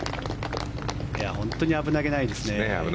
本当に危なげないですね。